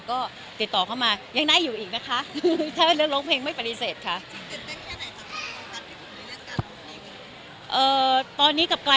ก็ติดต่อเข้ามายังได้อยู่อีกนะคะ